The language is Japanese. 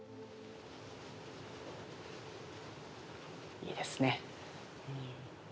いいですね。